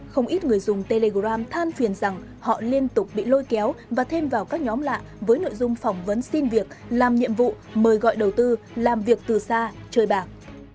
không ít người dùng telegram than phiền rằng họ liên tục bị lôi kéo và thêm vào các nhóm lạ với nội dung phỏng vấn xin việc làm nhiệm vụ mời gọi đầu tư làm việc từ xa chơi bạc